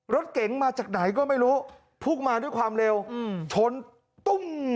รถเก๋งมาจากไหนก็ไม่รู้พลุกมาด้วยความเร็วโถ่ง